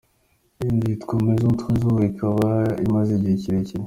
Iyi nzu yitwa Maison Trezor ikaba imaze igihe kirekire.